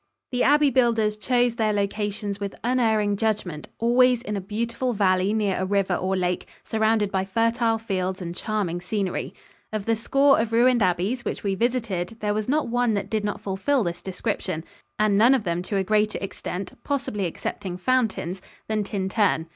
The abbey builders chose their locations with unerring judgment, always in a beautiful valley near a river or lake, surrounded by fertile fields and charming scenery. Of the score of ruined abbeys which we visited there was not one that did not fulfill this description, and none of them to a greater extent possibly excepting Fountain's than Tintern.